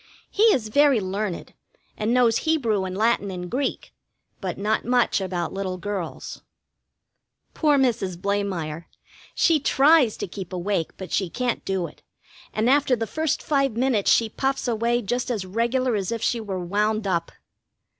He is very learned, and knows Hebrew and Latin and Greek, but not much about little girls. Poor Mrs Blamire; she tries to keep awake, but she can't do it; and after the first five minutes she puffs away just as regular as if she were wound up.